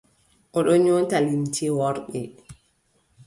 O ɗon nyoota limce worɓe.